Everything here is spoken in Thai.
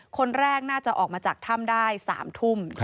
คนแรกน่าจะออกมาจากถ้ำได้๓ทุ่ม